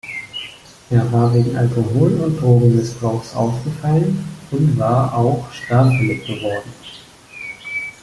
Er war wegen Alkohol- und Drogenmissbrauchs aufgefallen und war auch straffällig geworden.